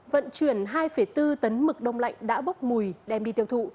vận chuyển hai bốn tấn mực đông lạnh đã bốc mùi đem đi tiêu thụ